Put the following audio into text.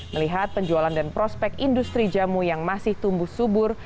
melihat penjualan dan prospek industri jamu yang masih tumbuh subur